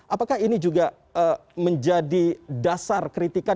apakah ini juga menjadi dasar kritikan